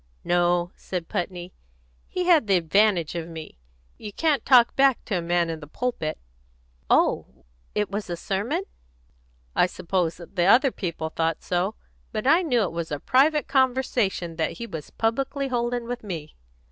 "No," said Putney. "He had the advantage of me. You can't talk back at a man in the pulpit." "Oh, it was a sermon?" "I suppose the other people thought so. But I knew it was a private conversation that he was publicly holding with me."